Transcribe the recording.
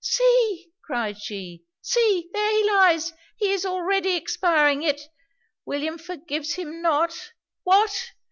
'See!' cried she, 'see! there he lies! he is already expiring! yet William forgives him not! What?